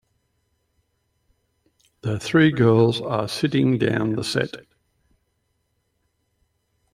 The three girls are sitting down the set.